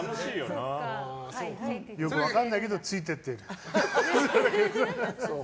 よく分かんないけどついてってる。